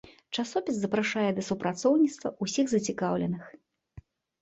Часопіс запрашае да супрацоўніцтва ўсіх зацікаўленых.